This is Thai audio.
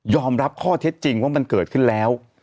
รับข้อเท็จจริงว่ามันเกิดขึ้นแล้ว